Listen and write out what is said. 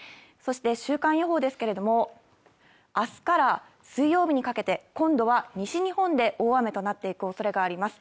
週間予報ですけれども、明日から水曜日にかけて、今度は西日本で大雨となっていくおそれがあります。